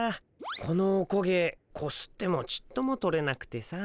このおこげこすってもちっとも取れなくてさ。